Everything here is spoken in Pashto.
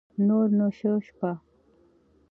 نور نو شه شپه